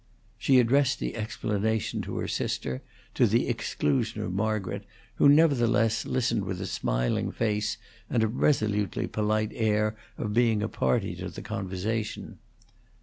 She addressed the explanation to her sister, to the exclusion of Margaret, who, nevertheless, listened with a smiling face and a resolutely polite air of being a party to the conversation.